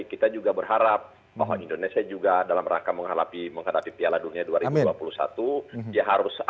kita juga berharap bahwa indonesia juga dalam rangka menghadapi piala dunia dua ribu dua puluh satu dia harus